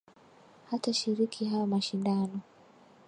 Hatashiriki hayo mashindano